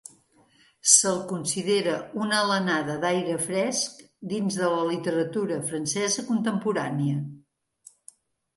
Se'l considera una alenada d'aire fresc dins de la literatura francesa contemporània.